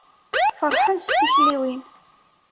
Ferḥen s tikliwin.